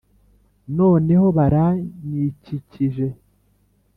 noneho baranyikikije,